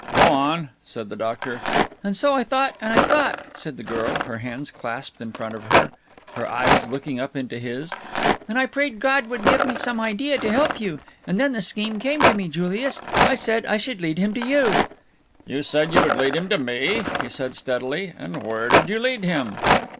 "Go on," said the doctor. "And so I thought and I thought," said the girl, her hands clasped in front of her, her eyes looking up into his, "and I prayed God would give me some idea to help you. And then the scheme came to me, Julius. I said I would lead him to you." "You said you would lead him to me?" he said steadily, "and where did you lead him?"